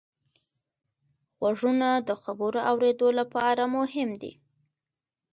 غوږونه د خبرو اورېدلو لپاره مهم دي